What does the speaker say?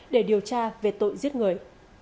để điều tra về tội giết người